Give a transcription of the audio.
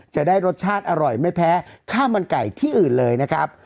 จะได้รสชาติอร่อยไม่แพ้ข้าวมันไก่ที่อื่นเลยนะครับ